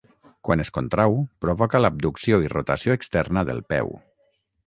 Quan es contrau, provoca l'abducció i rotació externa del peu.